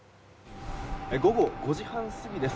午後５時半過ぎです。